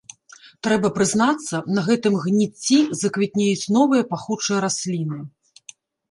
Трэба прызнацца, на гэтым гніцці заквітнеюць новыя пахучыя расліны.